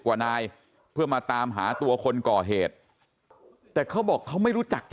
กว่านายเพื่อมาตามหาตัวคนก่อเหตุแต่เขาบอกเขาไม่รู้จักจริง